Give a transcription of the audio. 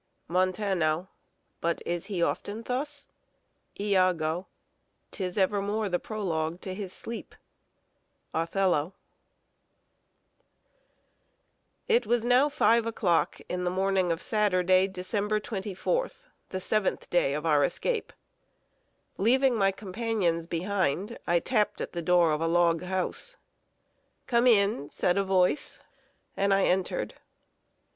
Montano. But is he often thus Iago. 'Tis evermore the prologue to his sleep. OTHELLO. [Sidenote: CURIOUS CONFUSION OF NAMES.] It was now five o'clock in the morning of Saturday, December 24th, the seventh day of our escape. Leaving my companions behind, I tapped at the door of a log house. "Come in," said a voice; and I entered.